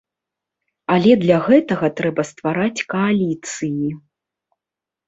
Але для гэтага трэба ствараць кааліцыі.